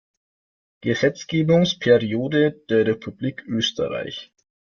Gesetzgebungsperiode der Republik Österreich.